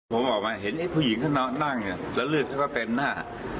ผมออกมาเห็นผู้หญิงเขานั่งแล้วเรื่องเขาก็เต็มหน้า